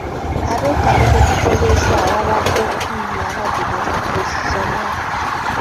Abeetabi betukozesezza babadde kkumi na babiri mu buli ssomero.